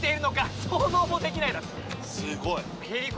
すっごい。